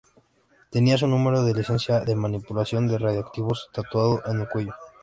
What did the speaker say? Tenía su número de licencia de manipulación de radiactivos tatuado en el cuello.